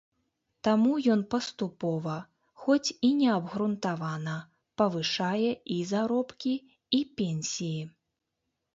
Таму ён паступова, хоць і неабгрунтавана, павышае і заробкі, і пенсіі.